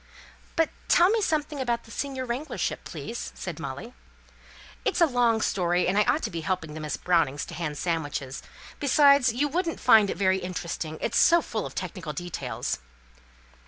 "But tell me something about the senior wranglership, please," said Molly. "It's a long story, and I ought to be helping the Miss Brownings to hand sandwiches besides, you wouldn't find it very interesting, it's so full of technical details."